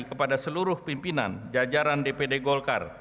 kepada seluruh pimpinan jajaran dpd golkar